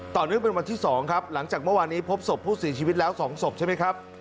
ต่อเนื่องเป็นวันที่๒ครับหลังจากเมื่อวานนี้พบศพผู้เสียชีวิตแล้ว๒ศพใช่ไหมครับ